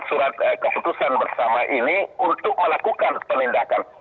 surat keputusan bersama ini untuk melakukan penindakan